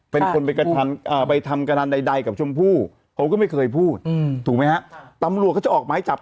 เป็นคนไปทำกระดันใดกับชมพู่เขาก็ไม่เคยพูดถูกไหมฮะตำรวจเขาจะออกหมายจับ